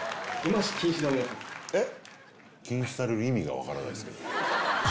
えっ？